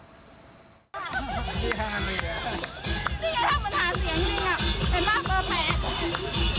นี่ไงถ้ามันหาเสียงจริงอ่ะเป็นมาร์คตัวแปด